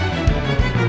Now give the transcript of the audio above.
ya kita berhasil